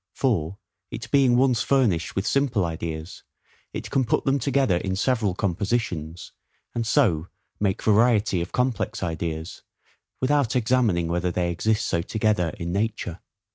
For, it being once furnished with simple ideas, it can put them together in several compositions, and so make variety of complex ideas, without examining whether they exist so together in nature.